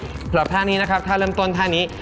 สำหรับท่านี้นะครับถ้าเริ่มต้นท่านี้